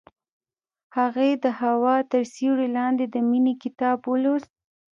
هغې د هوا تر سیوري لاندې د مینې کتاب ولوست.